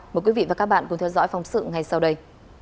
mời quý vị và các bạn cùng theo dõi phóng sự ngay sau đây